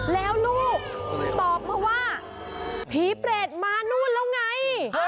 แล้วลูกตอบมาว่าผีเปรตมานู่นแล้วไง